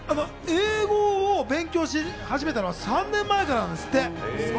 英語を勉強し始めたのは３年前からなんですって。